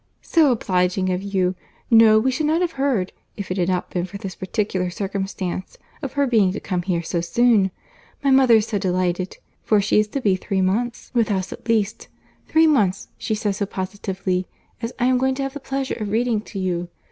"So obliging of you! No, we should not have heard, if it had not been for this particular circumstance, of her being to come here so soon. My mother is so delighted!—for she is to be three months with us at least. Three months, she says so, positively, as I am going to have the pleasure of reading to you.